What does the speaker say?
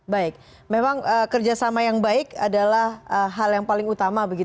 baik memang kerjasama yang baik adalah hal yang paling utama